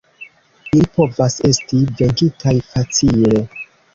Ili povas esti venkitaj facile.